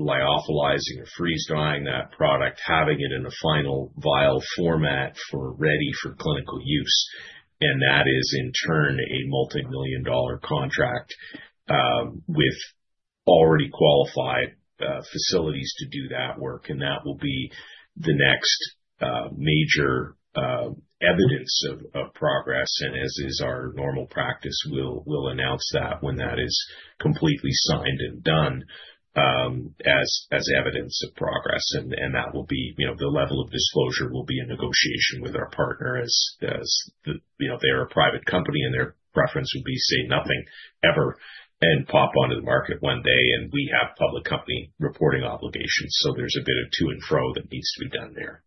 lyophilizing or freeze-drying that product, having it in a final vial format ready for clinical use. That is, in turn, a multimillion-dollar contract with already qualified facilities to do that work. That will be the next major evidence of progress. As is our normal practice, we'll announce that when that is completely signed and done as evidence of progress. The level of disclosure will be a negotiation with our partner as they're a private company and their preference would be to say nothing ever and pop onto the market one day. We have public company reporting obligations. There's a bit of to and fro that needs to be done there.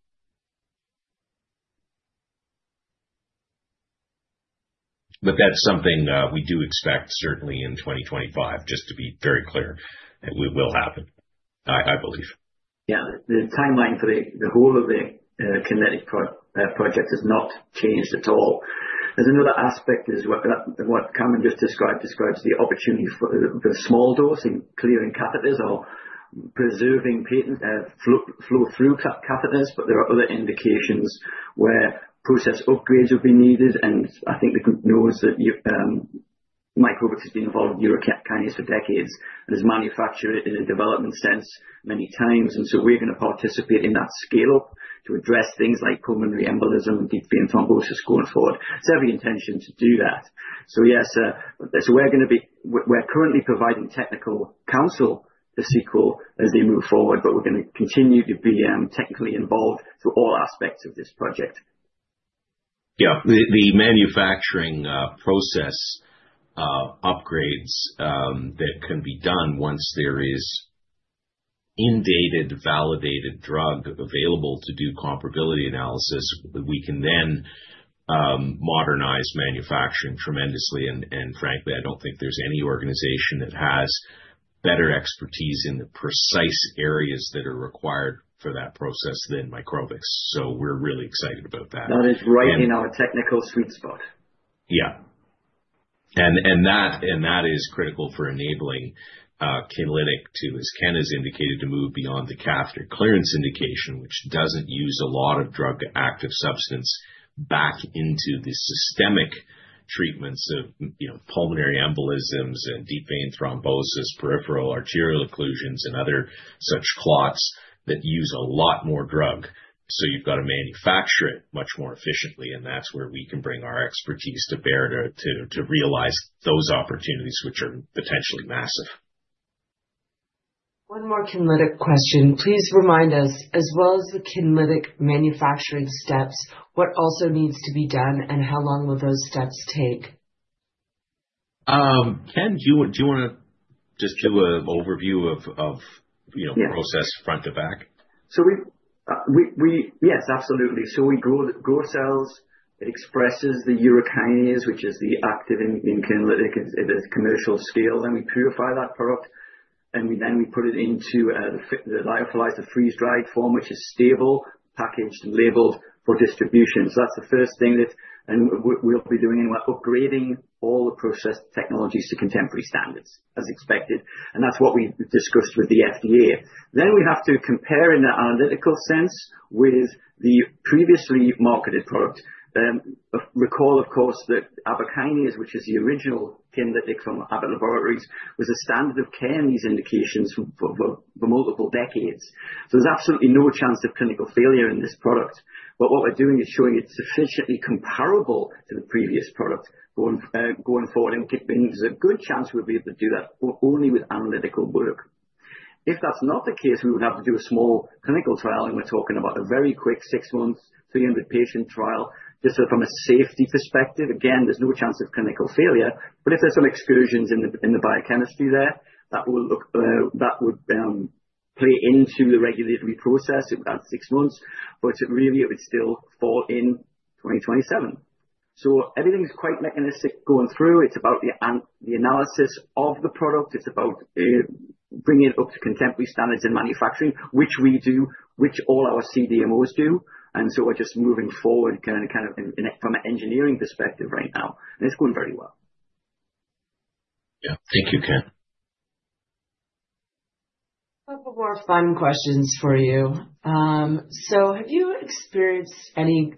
But that's something we do expect certainly in 2025, just to be very clear, that will happen, I believe. Yeah. The timeline for the whole of the Kinlytic project has not changed at all. There's another aspect is what Cameron just described, describes the opportunity for small dosing, clearing catheters or preserving flow-through catheters. There are other indications where process upgrades will be needed. I think the group knows that Microbix has been involved with urokinase for decades and has manufactured it in a development sense many times. We are going to participate in that scale-up to address things like pulmonary embolism and deep vein thrombosis going forward. It is every intention to do that. Yes, we are currently providing technical counsel to Seqirus as they move forward. We are going to continue to be technically involved through all aspects of this project. Yeah. The manufacturing process upgrades that can be done once there is in-dated, validated drug available to do comparability analysis, we can then modernize manufacturing tremendously. Frankly, I do not think there is any organization that has better expertise in the precise areas that are required for that process than Microbix. We are really excited about that. That is right in our technical sweet spot. Yeah. That is critical for enabling Kinlytic to, as Ken has indicated, move beyond the catheter clearance indication, which does not use a lot of drug-active substance, back into the systemic treatments of pulmonary embolisms and deep vein thrombosis, peripheral arterial occlusions, and other such clots that use a lot more drug. You have to manufacture it much more efficiently. That is where we can bring our expertise to bear to realize those opportunities, which are potentially massive. One more Kinlytic question. Please remind us, as well as the Kinlytic manufacturing steps, what also needs to be done and how long will those steps take? Ken, do you want to just do an overview of the process front to back? Yes, absolutely. We grow cells. It expresses the urokinase, which is the active in Kinlytic at a commercial scale. We purify that product. We put it into the lyophilized or freeze-dried form, which is stable, packaged, and labeled for distribution. That is the first thing that we will be doing. We are upgrading all the process technologies to contemporary standards, as expected. That is what we have discussed with the FDA. We have to compare in that analytical sense with the previously marketed product. Recall, of course, that Kinlytic, which is the original Kinlytic from Abbott Laboratories, was a standard of care in these indications for multiple decades. There is absolutely no chance of clinical failure in this product. What we are doing is showing it is sufficiently comparable to the previous product going forward. There's a good chance we'll be able to do that only with analytical work. If that's not the case, we would have to do a small clinical trial. We're talking about a very quick six-month, 300-patient trial, just from a safety perspective. Again, there's no chance of clinical failure. If there's some excursions in the biochemistry there, that would play into the regulatory process at six months. It would still fall in 2027. Everything's quite mechanistic going through. It's about the analysis of the product. It's about bringing it up to contemporary standards in manufacturing, which we do, which all our CDMOs do. We're just moving forward kind of from an engineering perspective right now. It's going very well. Yeah. Thank you, Ken. A couple more fun questions for you. Have you experienced any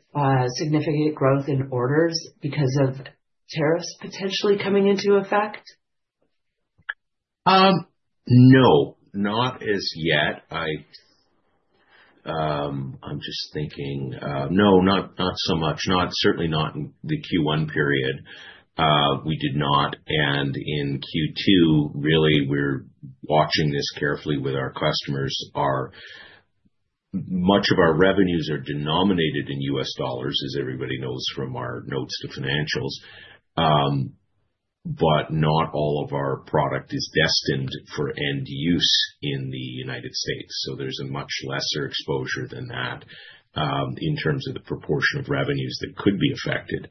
significant growth in orders because of tariffs potentially coming into effect? No, not as yet. I'm just thinking. No, not so much. Certainly not in the Q1 period. We did not. In Q2, really, we're watching this carefully with our customers. Much of our revenues are denominated in US dollars, as everybody knows from our notes to financials. Not all of our product is destined for end use in the United States. There's a much lesser exposure than that in terms of the proportion of revenues that could be affected.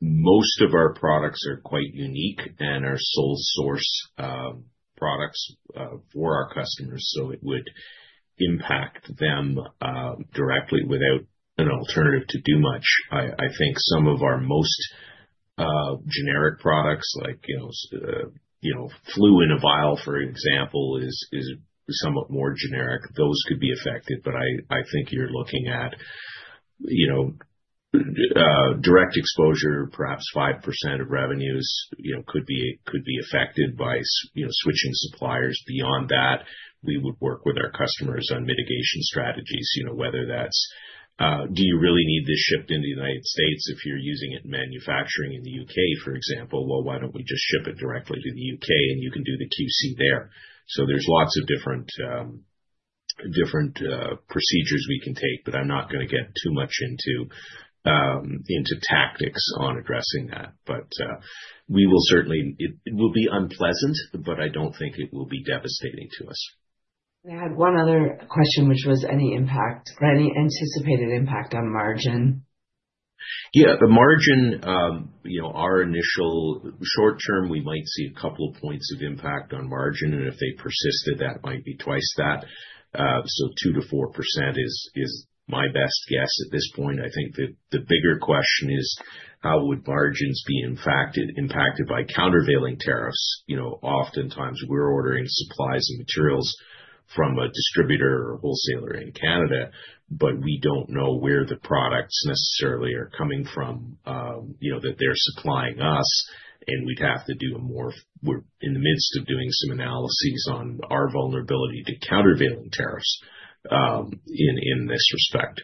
Most of our products are quite unique and are sole-source products for our customers. It would impact them directly without an alternative to do much. I think some of our most generic products, like flu in a vial, for example, is somewhat more generic. Those could be affected. I think you're looking at direct exposure, perhaps 5% of revenues could be affected by switching suppliers. Beyond that, we would work with our customers on mitigation strategies, whether that's, "Do you really need this shipped into the United States, If you're using it in manufacturing in the U.K., for example, why don't we just ship it directly to the U.K. and you can do the QC there?" There are lots of different procedures we can take. I am not going to get too much into tactics on addressing that. We will certainly, it will be unpleasant, but I do not think it will be devastating to us. I had one other question, which was any impact or any anticipated impact on margin? Yeah. The margin, our initial short-term, we might see a couple of points of impact on margin. If they persisted, that might be twice that. So 2%-4% is my best guess at this point. I think the bigger question is, how would margins be impacted by countervailing tariffs? Oftentimes, we're ordering supplies and materials from a distributor or wholesaler in Canada, but we don't know where the products necessarily are coming from that they're supplying us. We'd have to do a more—we're in the midst of doing some analyses on our vulnerability to countervailing tariffs in this respect.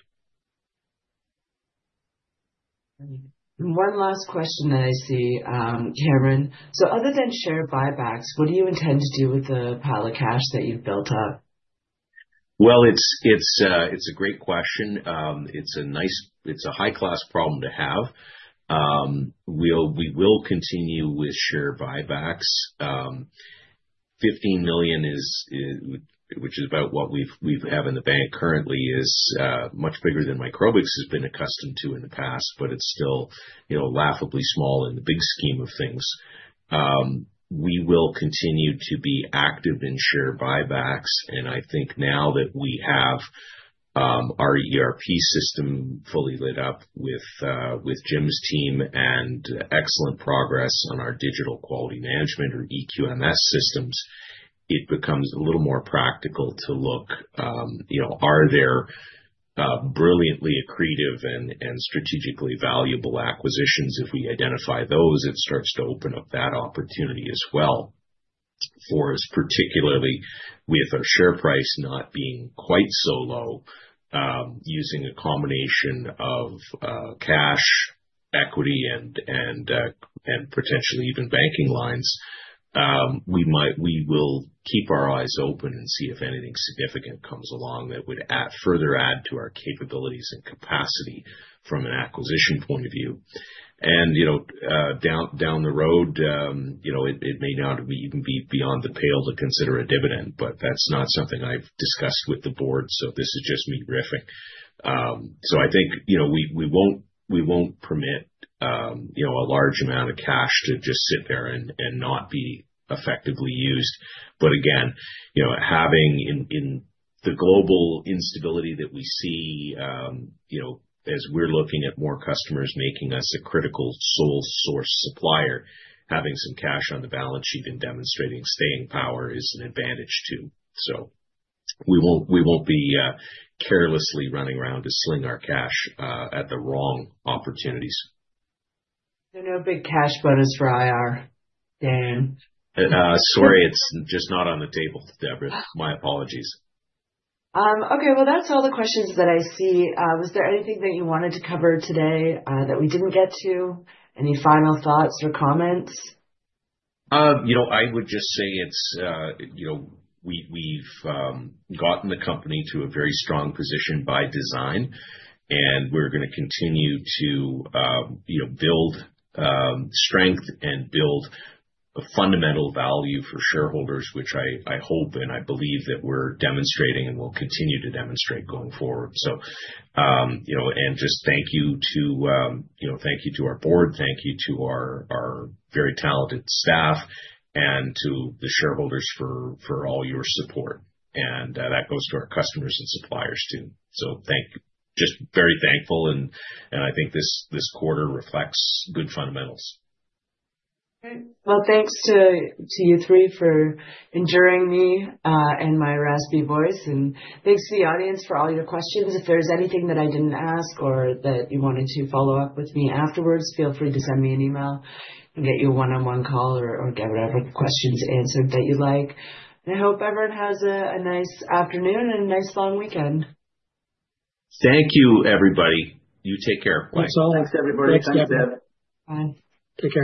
One last question that I see, Cameron. Other than share buybacks, what do you intend to do with the pile of cash that you've built up? It is a great question. It is a high-class problem to have. We will continue with share buybacks. 15 million, which is about what we have in the bank currently, is much bigger than Microbix has been accustomed to in the past, but it is still laughably small in the big scheme of things. We will continue to be active in share buybacks. I think now that we have our ERP system fully lit up with Jim's team and excellent progress on our digital quality management or EQMS systems, it becomes a little more practical to look, are there brilliantly accretive and strategically valuable acquisitions? If we identify those, it starts to open up that opportunity as well for us, particularly with our share price not being quite so low, using a combination of cash, equity, and potentially even banking lines. We will keep our eyes open and see if anything significant comes along that would further add to our capabilities and capacity from an acquisition point of view. Down the road, it may not even be beyond the pale to consider a dividend. That is not something I have discussed with the board. This is just me riffing. I think we will not permit a large amount of cash to just sit there and not be effectively used. Again, having in the global instability that we see as we are looking at more customers making us a critical sole-source supplier, having some cash on the balance sheet and demonstrating staying power is an advantage too. We will not be carelessly running around to sling our cash at the wrong opportunities. There are no big cash bonus for IR, Damn. Sorry. It's just not on the table, Deborah. My apologies. Okay. That is all the questions that I see. Was there anything that you wanted to cover today that we did not get to? Any final thoughts or comments? I would just say we've gotten the company to a very strong position by design. We're going to continue to build strength and build fundamental value for shareholders, which I hope and I believe that we're demonstrating and will continue to demonstrate going forward. Thank you to our board. Thank you to our very talented staff and to the shareholders for all your support. That goes to our customers and suppliers too. Just very thankful. I think this quarter reflects good fundamentals. Okay. Thanks to you three for enduring me and my raspy voice. Thanks to the audience for all your questions. If there's anything that I didn't ask or that you wanted to follow up with me afterwards, feel free to send me an email and get you a one-on-one call or get whatever questions answered that you'd like. I hope everyone has a nice afternoon and a nice long weekend. Thank you, everybody. You take care. Bye. Thanks everybody. Thanks, Deborah. Bye. Take care.